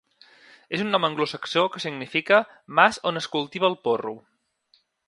És un nom anglosaxó que significa "mas on es cultiva el porro".